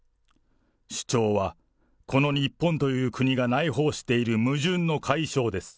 主張は、この日本という国が内包している矛盾の解消です。